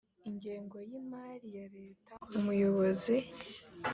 ingengo y imari ya leta umuyobozi